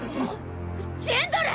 ジェンドル！